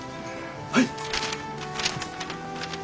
はい！